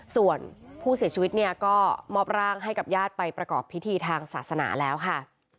ส่วนผู้เสียชีวิตเนี่ยก็มอบร่างให้กับญาติไปประกอบพิธีทางศาสนาแล้วค่ะ